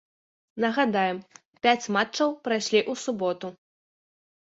Нагадаем, пяць матчаў прайшлі ў суботу.